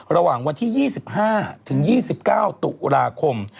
ระหว่างวันที่๒๕ถึง๒๙ตุลาคม